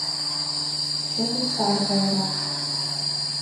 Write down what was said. Чыве сар гайрак.